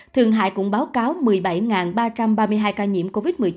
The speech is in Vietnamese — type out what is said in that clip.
thượng hải cũng báo cáo một mươi bảy ba trăm ba mươi hai ca nhiễm covid một mươi chín